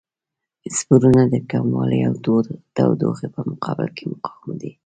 سپورونه د کموالي او تودوخې په مقابل کې مقاوم دي.